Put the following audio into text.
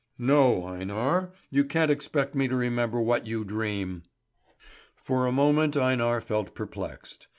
"No, Einar; you can't expect me to remember what you dream." For a moment Einar felt perplexed.